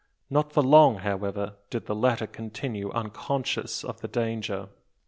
Not for long, however, did the latter continue unconscious of the danger.